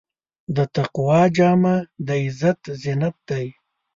د تقوی جامه د عزت زینت دی.